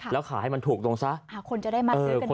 แล้วขายให้มันถูกลงซะคนจะได้มาซื้อกันได้